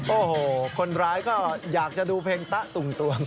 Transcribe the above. โอ้โหคนร้ายก็อยากจะดูเพลงตะตุ่มตวง